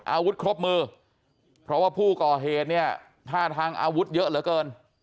อาวุธครบมือเพราะว่าผู้ก่อเหตุเนี่ยท่าทางอาวุธเยอะเหลือเกิน